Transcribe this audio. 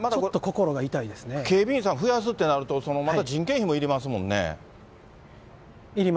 警備員さん増やすってなると、また人件費もいりますもんね。